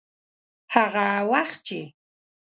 هغه وخت چې.